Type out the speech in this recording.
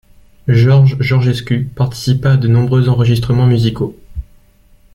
George Georgescu participa à de nombreux enregistrements musicaux.